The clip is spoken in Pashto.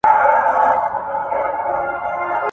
زمونږ د ژبي په واسطه بايد څوک توهين نه سي.